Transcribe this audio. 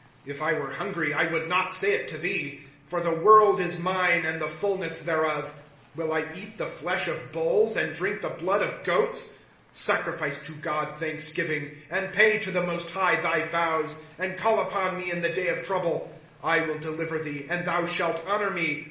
" If I were hungry, I would not say it to thee ; For the world is mine, and the fullness thereof. 13 Will I eat the flesh of bulls. And drink the blood of goats ? 1* Sacrifice to God thanksgiving, And pay to the Most High thy vows. 15 And call upon me in the day of trouble ; I will deliver thee, and thou shall honor me.